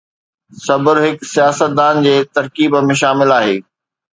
صبر هڪ سياستدان جي ترڪيب ۾ شامل آهي.